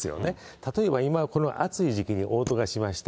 例えば今、この暑い時期におう吐をしました。